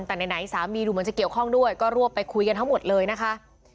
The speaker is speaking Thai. แต่ไหนสามีดูเหมือนจะเกี่ยวข้องด้วยก็รวบไปคุยกันทั้งหมดเลยนะคะ